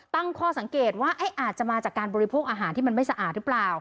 ตั้งข้อสังเกตว่าอาจจะมาจากการบริโภคอาหารที่มันไม่สะอาดหรือเปล่า